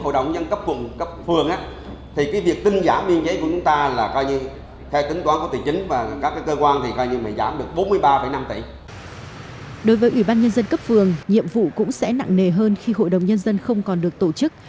đối với ủy ban nhân dân cấp phường nhiệm vụ cũng sẽ nặng nề hơn khi hội đồng nhân dân không còn được tổ chức